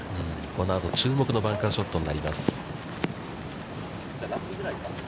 このあと、注目のバンカーショットになります。